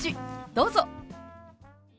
どうぞ。